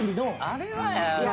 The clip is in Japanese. あれは。